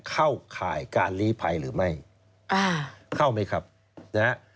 เข้าข่ายการลีภัยหรือไม่อ่าเข้าไหมครับนะฮะ